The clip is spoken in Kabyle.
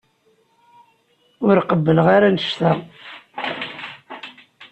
Ur qebbleɣ ara annect-a.